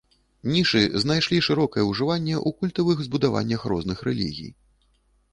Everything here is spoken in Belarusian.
Нішы знайшлі шырокае ўжыванне ў культавых збудаваннях розных рэлігій.